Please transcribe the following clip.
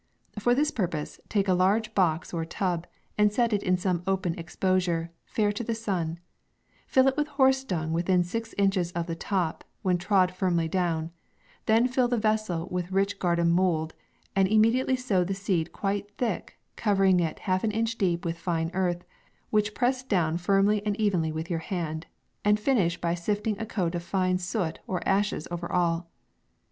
For this purpose, take a large box or tub, and set it in some open exposure, fair to the sun ; fill it with horse dung within six inches of the top, when trod firmly down \ then fill the vessel with rich garden mould, and immediately sow the seed quite thick, cover ing it half an inch deep with fine earth, which press down firmly and evenly with your hand, and finish by sifting a coat of fine soot or ash es over all.